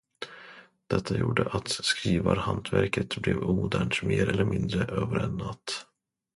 Detta gjorde att skrivarhantverket blev omodernt mer eller mindre över en natt.